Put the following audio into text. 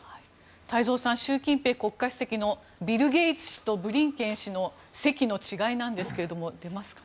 太蔵さん習近平国家主席のビル・ゲイツ氏とブリンケン氏の席の違いなんですけど。